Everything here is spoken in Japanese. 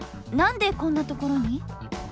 何でこんなところに！？